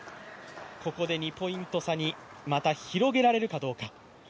ここで２ポイント差にまた広げられるかどうか。